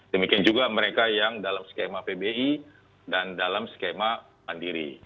demikian juga mereka yang dalam skema pbi dan dalam skema mandiri